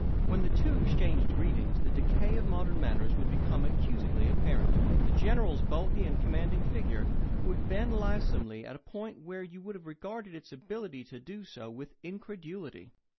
When the two exchanged greetings the decay of modern manners would become accusingly apparent. The General's bulky and commanding figure would bend lissomely at a point where you would have regarded its ability to do so with incredulity.